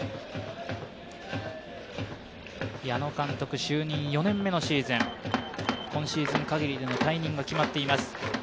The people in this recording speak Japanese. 矢野監督就任４年目のシーズン、今シーズン限りでの退任が決まっています。